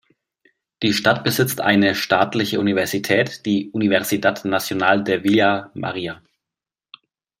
Die Stadt besitzt eine staatliche Universität, die "Universidad Nacional de Villa Maria".